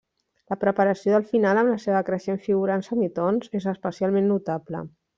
La preparació del final, amb la seva creixent figura en semitons, és especialment notable.